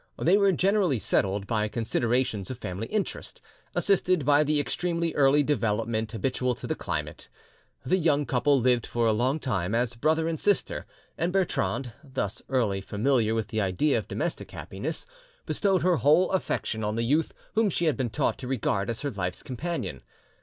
They were generally settled by considerations of family interest, assisted by the extremely early development habitual to the climate. The young couple lived for a long time as brother and sister, and Bertrande, thus early familiar with the idea of domestic happiness, bestowed her whole affection on the youth whom she had been taught to regard as her life's companion.